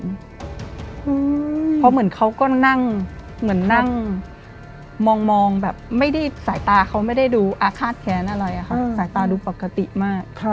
เพราะเหมือนเขาก็นั่งเหมือนนั่งมองแบบไม่ได้สายตาเขาไม่ได้ดูอาฆาตแค้นอะไรอะค่ะสายตาดูปกติมาก